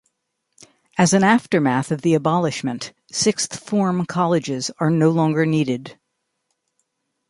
As an aftermath of the abolishment, sixth form colleges are no longer needed.